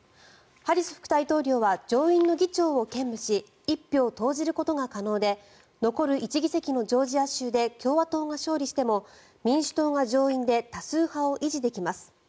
ハリス副大統領は上院の議長を兼務し１票を投じることが可能で残る１議席のジョージア州で共和党が勝利しても民主党が上院で多数派を維持できます。